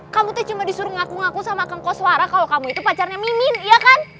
kamu cuma disuruh ngaku ngaku sama kang koswara kalau kamu pacarnya mimin iya kan